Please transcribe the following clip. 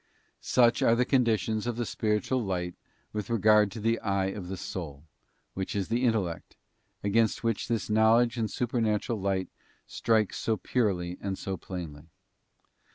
109 F _ Such are the conditions of the spiritual light with regard _ to the eye of the soul, which is the intellect, against which this knowledge and supernatural light strikes so purely and so plainly.